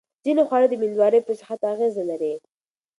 ځینې خواړه د مېندوارۍ په صحت اغېزه لري.